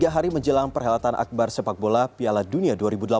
tiga hari menjelang perhelatan akbar sepak bola piala dunia dua ribu delapan belas